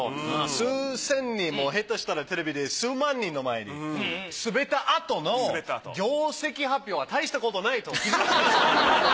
数千人も下手したらテレビで数万人の前にスベったあとの業績発表はたいしたことないと思います。